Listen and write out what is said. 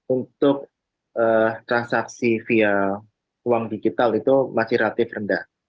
untuk transaksi via uang digital itu masih relatif rendah